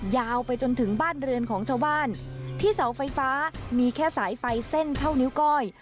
ยาวไปจนถึงบ้านเรือนของชาวบ้านที่เสาไฟฟ้ามีแค่สายไฟเส้นเท่านิ้วก้อย